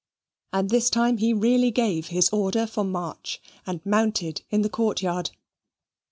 And this time he really gave his order for march: and mounted in the court yard.